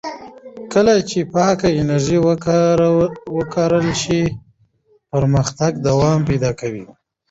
کله چې پاکه انرژي وکارول شي، پرمختګ دوام پیدا کوي.